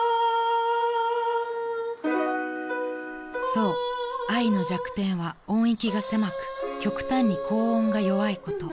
［そうあいの弱点は音域が狭く極端に高音が弱いこと］